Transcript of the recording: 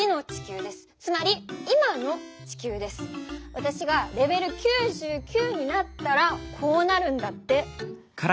わたしがレベル９９になったらこうなるんだって。